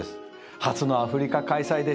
初のアフリカ開催でした。